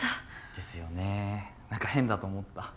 ですよね何か変だと思った。